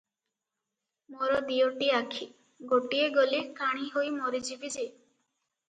ମୋର ଦିଓଟି ଆଖି; ଗୋଟିଏ ଗଲେ କାଣୀ ହୋଇ ମରିଯିବି ଯେ ।